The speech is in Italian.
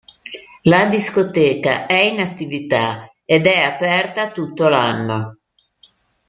La discoteca è in attività ed è aperta tutto l'anno.